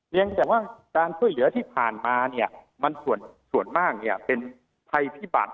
เนื่องจากว่าการช่วยเหลือที่ผ่านมามันส่วนมากเป็นภัยพิบัตร